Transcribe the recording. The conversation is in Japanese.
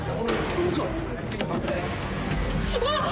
うわっ！